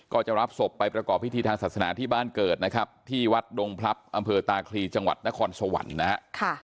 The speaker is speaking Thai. ก็จะรับศพไปประกอบพิธีทางศาสนาที่บ้านเกิดนะครับที่วัดดงพลับอำเภอตาคลีจังหวัดนครสวรรค์นะฮะ